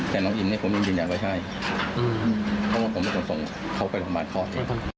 แต่น้องยิ้มผมยิ้มจริงว่าใช่เพราะผมไม่ควรส่งเขาไปรักษาพอด